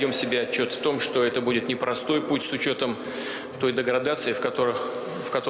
pembelajaran pertemuan presiden amerika serikat